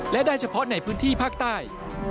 และได้เฉพาะในพื้นที่ภาคใต้